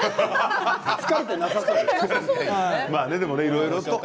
疲れてなさそうですね。